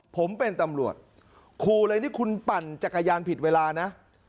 ผมเป็นตำรวจคู่เลยนี่คุณปั่นจักรยานผิดเวลานะ